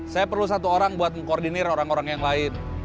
saya perlu satu orang buat mengkoordinir orang orang yang lain